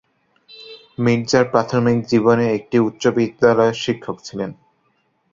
মির্জার প্রাথমিক জীবনে একটি উচ্চ বিদ্যালয়ের শিক্ষক ছিলেন।